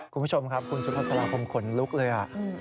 คุณผู้ชมครับคุณสุภาษาผมขนลุกเลย